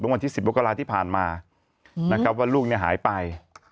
ตั้งกว่าที่๑๐โมกราที่ผ่านมาว่าลูกยังหายไป